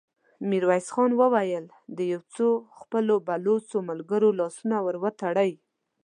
ميرويس خان وويل: د يو څو خپلو بلوڅو ملګرو لاسونه ور وتړئ!